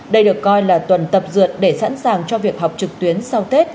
đây được coi là tuần tập dượt để sẵn sàng cho việc học trực tuyến sau tết